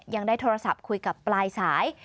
ยังได้โทรศัพท์คุยกับปลายสาย